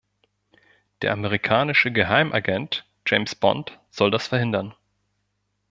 Der amerikanische Geheimagent James Bond soll das verhindern.